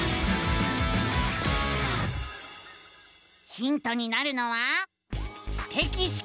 ヒントになるのは「テキシコー」。